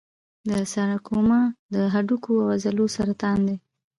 د سارکوما د هډوکو او عضلو سرطان دی.